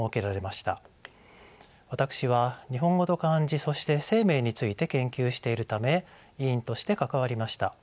私は日本語と漢字そして姓名について研究しているため委員として関わりました。